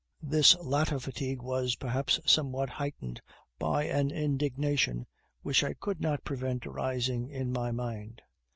This latter fatigue was, perhaps, somewhat heightened by an indignation which I could not prevent arising in my mind.